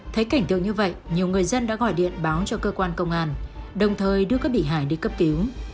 thấy cảnh tượng như vậy nhiều người dân đã gọi điện báo cho cơ quan công an đồng thời đưa các bị hại đi cấp cứu